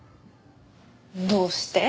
どうして？